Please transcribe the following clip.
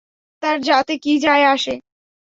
তার জাতে কী যায় আসে।